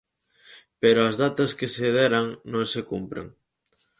Pero as datas que se deran non se cumpren.